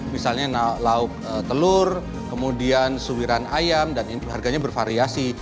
misalnya lauk telur kemudian suwiran ayam dan harganya bervariasi